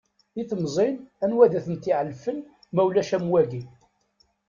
I temẓin, anwa ad ten-t-iɛelfen ma ulac am wagi?